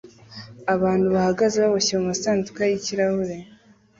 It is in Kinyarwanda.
Abantu bahagaze baboshye mumasanduku yikirahure